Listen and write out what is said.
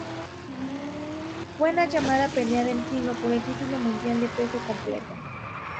Fue en la llamada pelea del siglo por el título mundial de peso completo.